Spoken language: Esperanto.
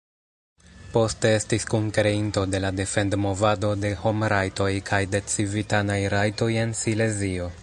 Poste estis kunkreinto de la Defend-Movado de Homrajtoj kaj de Civitanaj Rajtoj en Silezio.